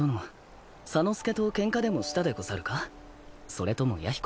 それとも弥彦。